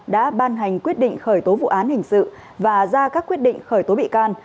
đã ban hành quyết định khởi tố vụ án hình sự và ra các quyết định khởi tố bị can